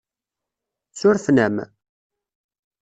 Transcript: Surfen-am?